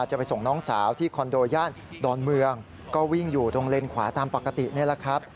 จะไปส่งน้องสาวที่คอนโดย่านดอนเมืองก็วิ่งอยู่ตรงเลนขวาตามปกตินี่แหละครับ